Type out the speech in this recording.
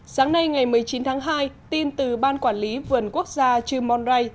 sáng nay ngày một mươi chín tháng hai tin từ ban quản lý vườn quốc gia trư mon ray